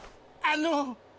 あの。